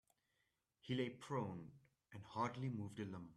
He lay prone and hardly moved a limb.